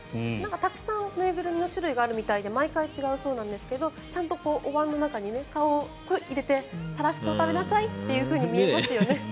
たくさん縫いぐるみの種類があるみたいで毎回違うそうですがちゃんとおわんの中に顔を入れてたらふく食べなさいって見えますよね。